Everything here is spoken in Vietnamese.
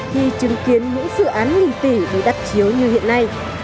khi chứng kiến những dự án nghìn tỷ bị đắp chiếu như hiện nay